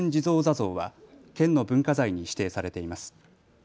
坐像は、県の文化財に指定されています。